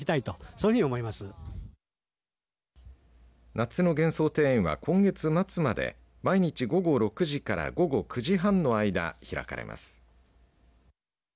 夏の幻想庭園は今月末まで毎日午後６時から午後９時半の間開かれます。